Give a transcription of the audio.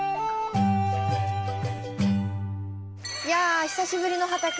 いや久しぶりの畑。